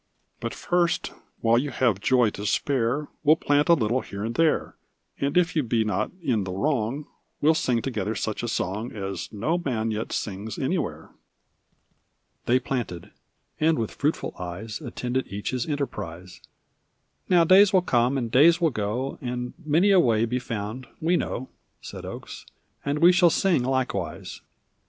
1118 1 "But first, while you have joy to spare We'll plant a little here and there; And if you be not in the wrong, We'll sing together such a song As no man yet sings anywhere." They planted and with fruitful eyes Attended each his enteiprise. "Now days will come and days will go, And many a way be found, we know," Said Oakes, "and we shall sing, likewise."